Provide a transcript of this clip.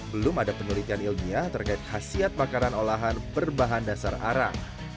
belum ada penelitian ilmiah terkait khasiat makanan olahan berbahan dasar arang